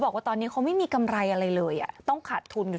บอกว่าตอนนี้เขาไม่มีกำไรอะไรเลยอ่ะต้องขาดทุนกัน